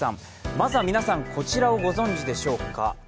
まずは皆さん、こちらをご存じでしょうか？